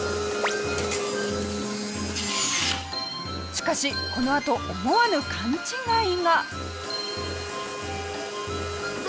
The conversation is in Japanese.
しかしこのあと思わぬ勘違いが。